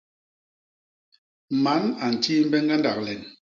Man a ntjimbe ñgandak len.